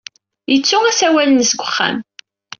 Yettu asawal-nnes deg uxxam.